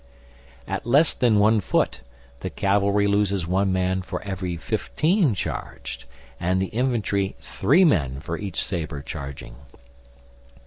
At less than one foot, the cavalry loses one man for every fifteen charged, and the infantry three men for each sabre charging.